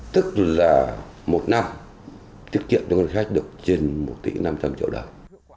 tức là một năm tiết kiệm cho ngân sách được trên một tỷ năm trăm linh triệu đồng